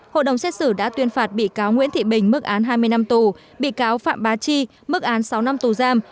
hội đồng xét xử đã tuyên phạt bị cáo nguyễn thị bình mức án hai mươi năm tù bị cáo phạm bá chi mức án sáu năm tù giam